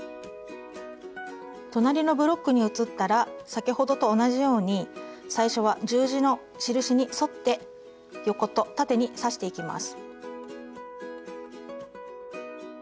隣のブロックに移ったら先ほどと同じように最初は十字の印に沿って横と縦に刺していきます。